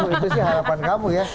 itu sih harapan kamu ya